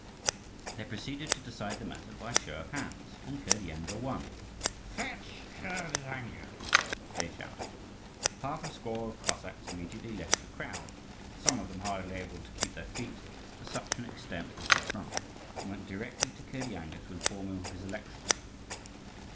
They proceeded to decide the matter by a show of hands, and Kirdyanga won. "Fetch Kirdyanga!" they shouted. Half a score of Cossacks immediately left the crowd some of them hardly able to keep their feet, to such an extent had they drunk and went directly to Kirdyanga to inform him of his election.